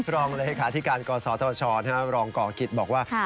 รองเลยค่ะที่การกศธชรองกกิตบอกว่า